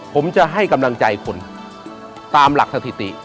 ผมจะให้กำลังใจคนตามหลักสถิติ